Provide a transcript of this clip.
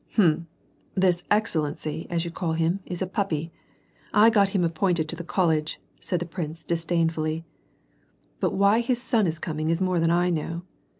" Hm — this 'excellency,' as you call him, is a puppy. I got him appointed to the college," said the prince disdainfully, " but why his son is coming is more than I know.